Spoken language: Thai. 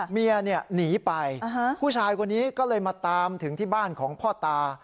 เมียหนีไปผู้ชายคนนี้ก็เลยมาตามถึงที่บ้านของพ่อตา